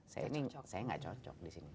saya gak cocok disini